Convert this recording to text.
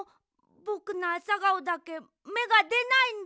ぼくのアサガオだけめがでないんだ。